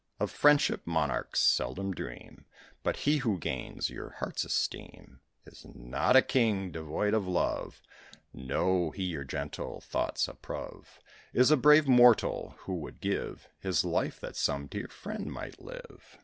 Of friendship monarchs seldom dream But he who gains your heart's esteem Is not a king devoid of love; No, he your gentle thoughts approve Is a brave mortal, who would give His life, that some dear friend might live.